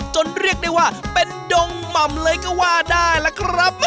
เรียกได้ว่าเป็นดงหม่ำเลยก็ว่าได้ล่ะครับ